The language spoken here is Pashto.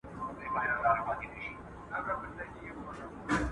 ځيني علماء ئې يو قسم ګټي او نور ئې بل ډول ګټي بيانوي.